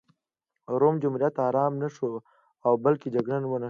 روم جمهوریت ارام نه شو او بله جګړه ونښته